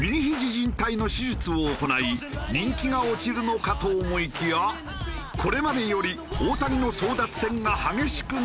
じん帯の手術を行い人気が落ちるのかと思いきやこれまでより大谷の争奪戦が激しくなる可能性も。